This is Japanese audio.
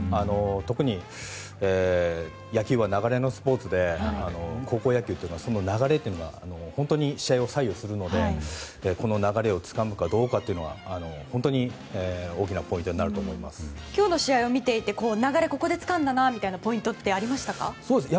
特に、野球は流れのスポーツで高校野球というのはその流れというのが試合を本当に左右するのでこの流れをつかむかどうかというのは、本当に大きな今日の試合を見ていて流れ、ここでつかんだなというポイントはありましたか？